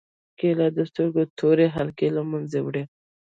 کېله د سترګو تور حلقې له منځه وړي.